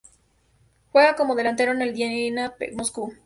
Juega como delantero en el Dina Moscú.